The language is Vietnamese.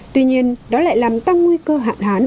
tuy nhiên nó lại làm tăng nguy cơ hạn hán